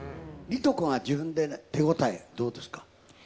莉斗くんは自分で手応えどうですか？